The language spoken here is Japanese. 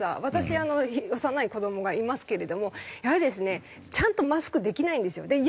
私幼い子どもがいますけれどもやはりですねちゃんとマスクできないんですよ。